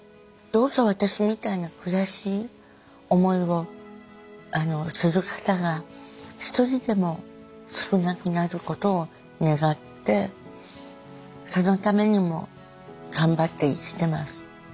どうか私みたいな悔しい思いをする方が一人でも少なくなることを願ってそのためにも頑張って生きてます。